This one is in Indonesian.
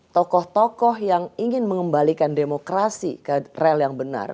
tokoh tokoh yang ingin mengembalikan demokrasi ke rel yang benar